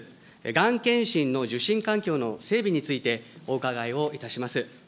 がん検診の受診環境の整備について、お伺いをいたします。